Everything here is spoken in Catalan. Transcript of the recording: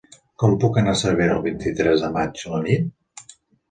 Com puc anar a Cervera el vint-i-tres de maig a la nit?